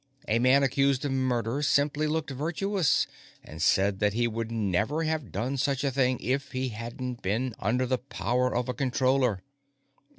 A man accused of murder simply looked virtuous and said that he would never have done such a thing if he hadn't been under the power of a Controller.